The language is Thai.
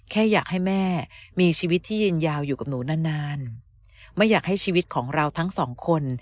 แค่อยากให้แม่มีชีวิตที่ยืนยาวอยู่กับหนูนานนานไม่อยากให้ชีวิตของเราทั้งสองคน